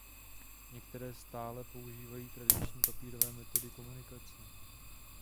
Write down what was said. Některé stále používají tradičnější papírové metody komunikace.